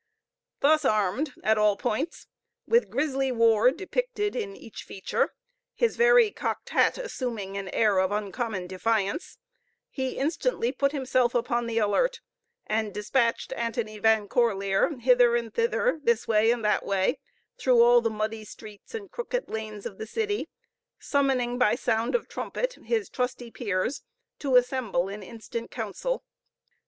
Thus armed at all points, with grisly war depicted in each feature, his very cocked hat assuming an air of uncommon defiance, he instantly put himself upon the alert, and dispatched Antony Van Corlear hither and thither, this way and that way, through all the muddy streets and crooked lanes of the city, summoning by sound of trumpet his trusty peers to assemble in instant council.